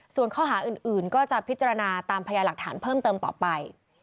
ส่วนข้อหาอื่นก็จะพิจารณาตามพยาหลักฐานเพิ่มเติมต่อไป